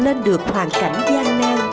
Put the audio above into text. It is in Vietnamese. lên được hoàn cảnh gian nan